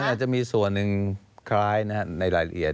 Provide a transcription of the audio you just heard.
มันอาจจะมีส่วนนึงในรายละเอียด